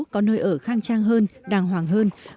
có nơi ở khang trang hơn đàng hoàng hơn